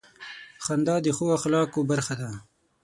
• خندا د ښو اخلاقو برخه ده.